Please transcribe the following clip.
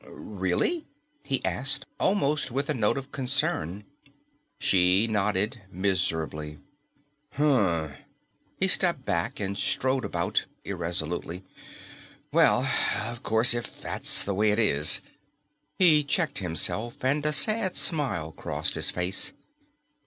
"Really?" he asked, almost with a note of concern. She nodded miserably. "Hmm!" He stepped back and strode about irresolutely. "Well, of course, if that's the way it is ..." He checked himself and a sad smile crossed his face.